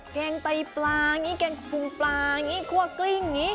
แกงไตปลาอย่างนี้แกงปรุงปลาอย่างนี้คั่วกลิ้งอย่างนี้